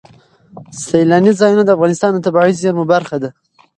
سیلانی ځایونه د افغانستان د طبیعي زیرمو برخه ده.